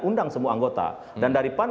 undang semua anggota dan daripada itu